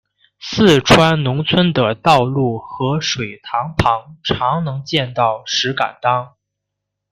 四川农村的道路和水塘旁常能见到石敢当。